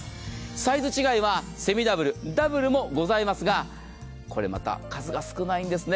サイズ違いはセミダブル、ダブルもございますが、これまた数が少ないんですね。